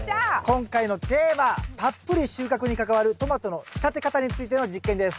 今回のテーマ「たっぷり収穫」に関わるトマトの仕立て方についての実験です。